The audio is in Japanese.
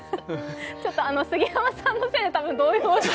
杉山さんのせいで多分動揺して。